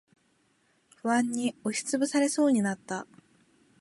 不安に押しつぶされそうになった。